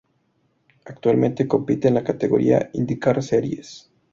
Actualmente compite en la categoría IndyCar Series.